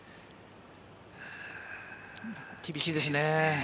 厳しいですね。